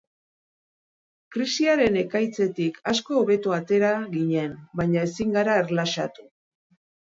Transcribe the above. Krisiaren ekaitzetik asko hobeto atera ginen, baina ezin gara erlaxatu.